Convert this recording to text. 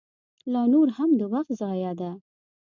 لا نوره هم د وخت ضایع ده.